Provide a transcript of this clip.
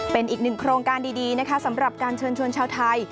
เป็นอีกหนึ่งโครงการดีนะคะสำหรับการเชิญชวนชาวไทย